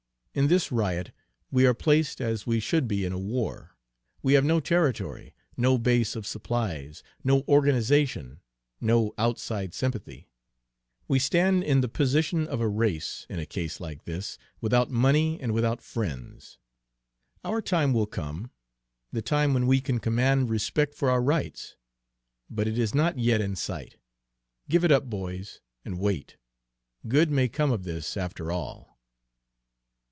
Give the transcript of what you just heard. In this riot we are placed as we should be in a war: we have no territory, no base of supplies, no organization, no outside sympathy, we stand in the position of a race, in a case like this, without money and without friends. Our time will come, the time when we can command respect for our rights; but it is not yet in sight. Give it up, boys, and wait. Good may come of this, after all."